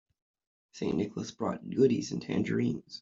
St. Nicholas brought goodies and tangerines.